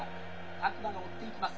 各馬が追っていきます。